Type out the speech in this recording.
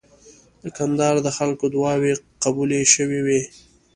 د کندهار د خلکو دعاوي قبولې شوې وې.